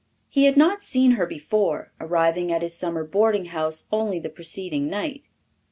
He had not seen her before, arriving at his summer boarding house only the preceding night.